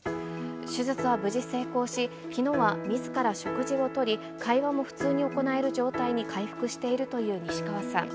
手術は無事成功し、きのうはみずから食事をとり、会話も普通に行える状態に回復しているという西川さん。